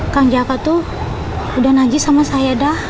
kang jaka tuh udah najis sama saya dah